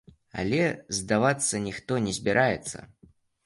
Але здавацца ніхто не збіраецца.